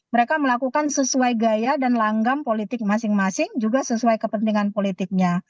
mereka melakukan sesuai gaya dan langgam politik masing masing juga sesuai kepentingan politiknya